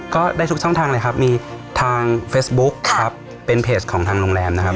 ได้ทุกช่องทางเลยครับมีทางเฟซบุ๊คครับเป็นเพจของทางโรงแรมนะครับ